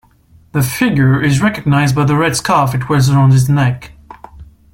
The figure is recognized by the red scarf it wears around its neck.